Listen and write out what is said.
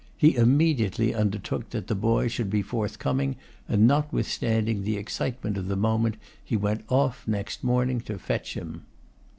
He immediately undertook that the boy should be forthcoming, and notwithstanding the excitement of the moment, he went off next morning to fetch him.